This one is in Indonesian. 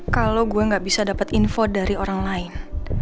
kalau gue gak bisa dapat info dari orang lain